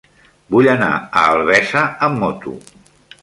Vull anar a Albesa amb moto.